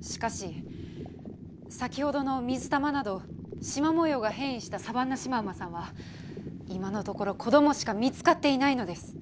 しかし先ほどの水玉などシマ模様が変異したサバンナシマウマさんは今のところ子供しか見つかっていないのです。